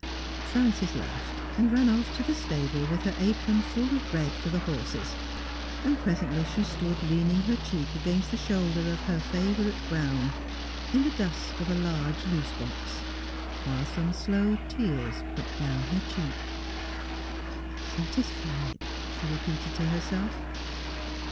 Frances laughed, and ran off to the stable with her apron full of bread for the horses, and presently she stood leaning her cheek against the shoulder of her favourite brown, in the dusk of a large loose box, while some slow tears crept down her cheek. ''Satisfied,' she repeated to herself.